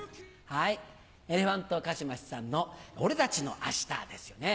はいエレファントカシマシさんの『俺たちの明日』ですよね。